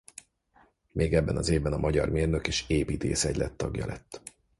Még ebben az évben a Magyar Mérnök- és Építész-Egylet tagja lett.